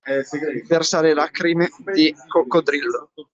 Versare lacrime di coccodrillo.